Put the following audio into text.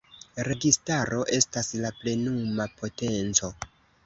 Registaro estas la plenuma potenco.